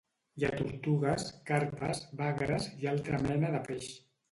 Hi ha tortugues, carpes, bagres, i altra mena de peix.